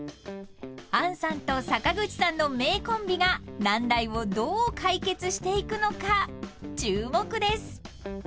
［杏さんと坂口さんの名コンビが難題をどう解決していくのか注目です］